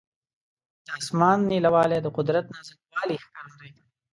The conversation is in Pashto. د اسمان نیلاوالی د قدرت نازک والي ښکارندویي کوي.